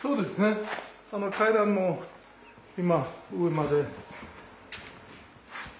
この階段も今上まで。